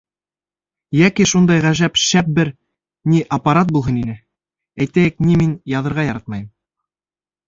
— Йәки шундай ғәжәп шәп бер, ни, аппарат булһын ине: әйтәйек, ни, мин яҙырға яратмайым.